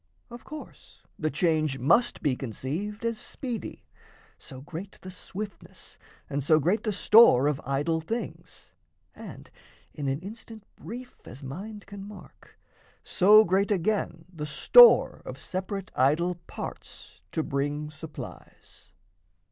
Of course the change must be conceived as speedy; So great the swiftness and so great the store Of idol things, and (in an instant brief As mind can mark) so great, again, the store Of separate idol parts to bring supplies.